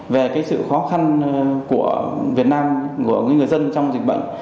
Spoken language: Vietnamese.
về sự khó khăn của việt nam của người dân trong dịch bệnh